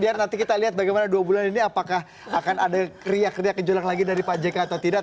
biar nanti kita lihat bagaimana dua bulan ini apakah akan ada riak riak gejolak lagi dari pak jk atau tidak